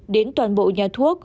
đến toàn bộ nhà thuốc